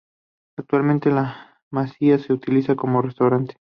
Actualmente la masía se utiliza como restaurante.